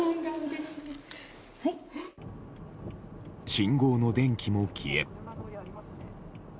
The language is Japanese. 信号の電気も消え。